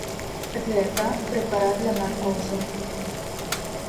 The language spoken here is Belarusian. Гэта прэпарат для наркозу.